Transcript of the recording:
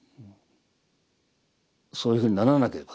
そういうふうにならなければですよ